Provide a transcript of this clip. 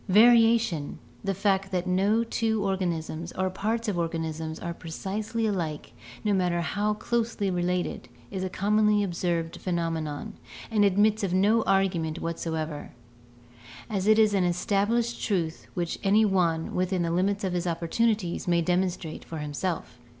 Variation, the fact that no two organisms or parts of organisms are precisely alike, no matter how closely related, is a commonly observed phenomenon, and admits of no argument whatsoever, as it is an established truth which any one, within the limits of his opportunities, may demonstrate for himself.